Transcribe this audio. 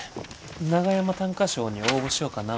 長山短歌賞に応募しよかな思て。